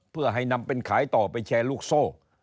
เพื่อให้นำเป็นขายต่อไปแชร์ลูกโซ่